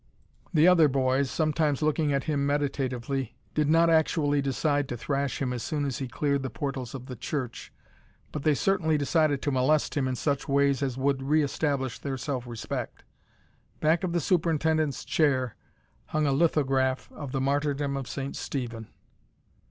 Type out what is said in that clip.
The other boys, sometimes looking at him meditatively, did not actually decide to thrash him as soon as he cleared the portals of the church, but they certainly decided to molest him in such ways as would re establish their self respect. Back of the superintendent's chair hung a lithograph of the martyrdom of St. Stephen.